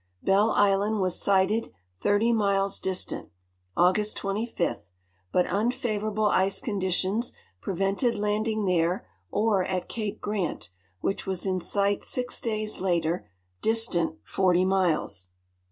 Bell island was sighti'd, :i0 miles distant, .August 2o, but nnfavoraljle ice conditions prevented lamling then' or at capc^ Grant, which was in siglitsix days later, <listant40 miles.